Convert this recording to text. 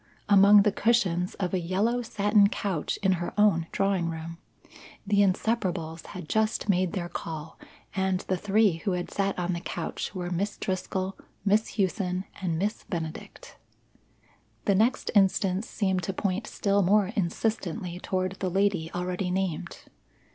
Among the cushions of a yellow satin couch in her own drawing room. The Inseparables had just made their call and the three who had sat on the couch were Miss Driscoll, Miss Hughson, and Miss Benedict. The next instance seemed to point still more insistently toward the lady already named.